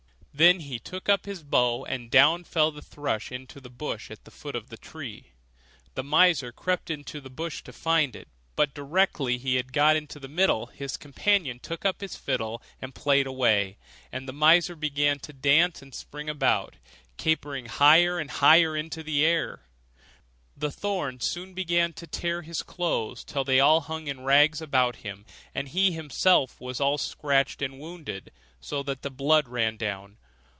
Then he took up his bow, and down fell the thrush into the bushes at the foot of the tree. The miser crept into the bush to find it; but directly he had got into the middle, his companion took up his fiddle and played away, and the miser began to dance and spring about, capering higher and higher in the air. The thorns soon began to tear his clothes till they all hung in rags about him, and he himself was all scratched and wounded, so that the blood ran down.